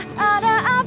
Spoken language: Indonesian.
ada apa di dalammu